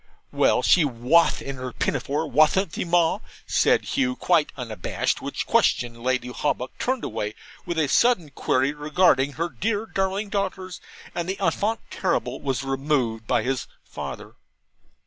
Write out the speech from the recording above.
'Well, she WATH in her pinnafaw, wathn't she, Ma?' says Hugh, quite unabashed; which question Lady Hawbuck turned away with a sudden query regarding her dear darling daughters, and the ENFANT TERRIBLE was removed by his father.